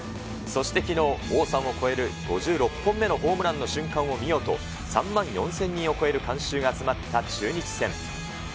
そしてきのう、王さんを超える５６本目のホームランの瞬間を見ようと、３万４０００人を超える観衆が集まった中日戦。